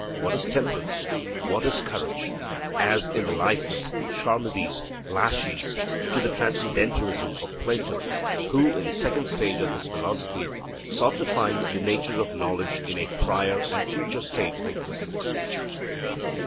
'what is temperance?' 'what is courage?' as in the Lysis, Charmides, Laches, to the transcendentalism of Plato, who, in the second stage of his philosophy, sought to find the nature of knowledge in a prior and future state of existence.